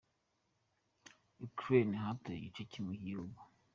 Ukraine: Hatoye igice kimwe cy’ igihugu .